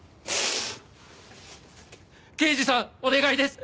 刑事さんお願いです！